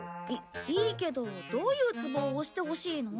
いいいけどどういうツボを押してほしいの？